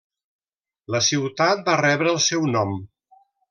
La ciutat va rebre el seu nom.